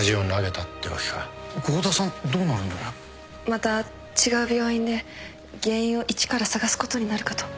また違う病院で原因を一から探すことになるかと。